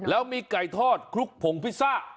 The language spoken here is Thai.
แล้วมีไก่ทอดคลุกผงพิซซ่า